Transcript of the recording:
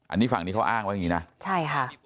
อันนี้ฝั่งนี้เขาอ้างไว้อย่างนี้นะใช่ค่ะ